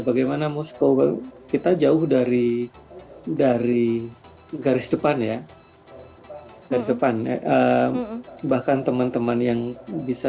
bagaimana moskow kita jauh dari dari garis depan ya dari depan bahkan teman teman yang bisa